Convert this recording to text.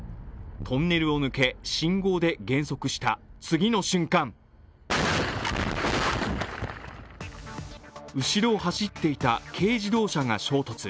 トンネルを抜け信号で減速した次の瞬間、後ろを走っていた軽自動車が衝突。